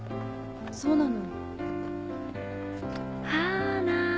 そうなの。